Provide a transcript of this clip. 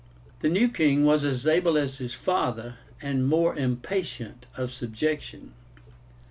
The new king was as able as his father, and more impatient of subjection.